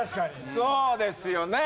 そうですよねえ。